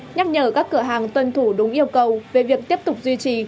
nhắc nhở các cửa hàng tuân thủ đúng yêu cầu về việc tiếp tục duy trì